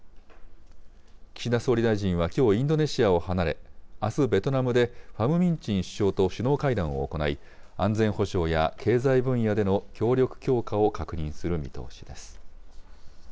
岸田総理大臣はきょう、インドネシアを離れ、あすベトナムで、ファム・ミン・チン首相と首脳会談を行い、安全保障や経済分野での協力強化を確認する見通しです。